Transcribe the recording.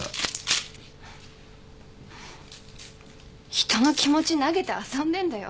人の気持ち投げて遊んでんだよ。